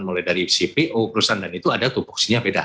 mulai dari cpo perusahaan dan itu ada tupoksinya beda